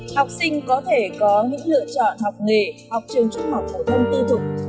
học sinh có thể có những lựa chọn học nghề học trường trung học của thân tư thuộc